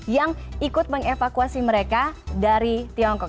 yang ikut mengevakuasi mereka dari tiongkok